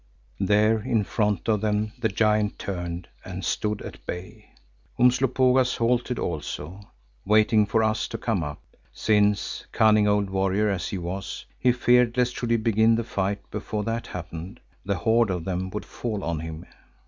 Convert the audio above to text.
There in front of them the giant turned and stood at bay. Umslopogaas halted also, waiting for us to come up, since, cunning old warrior as he was, he feared lest should he begin the fight before that happened, the horde of them would fall on him.